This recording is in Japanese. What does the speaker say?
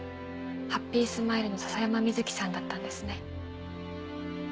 ハッピースマイルの篠山瑞生さんだったんですね。